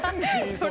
それ。